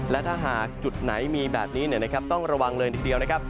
และถ้าหากจุดไหนมีแบบนี้ต้องระวังเลยทีเดียวนะครับ